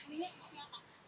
ini buat siapa